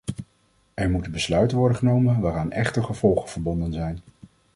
Er moeten besluiten worden genomen waaraan echte gevolgen verbonden zijn.